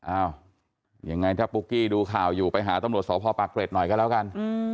อ้าวยังไงถ้าปุ๊กกี้ดูข่าวอยู่ไปหาตำรวจสพปากเกร็ดหน่อยก็แล้วกัน